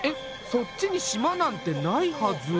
そっちに島なんてないはず。